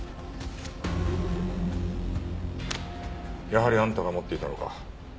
やはりあんたが持っていたのか。